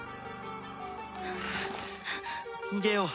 逃げよう！